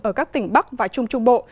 ở các tỉnh bắc và trung trung bộ